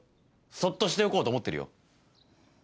そっとしておこうと思ってるよ。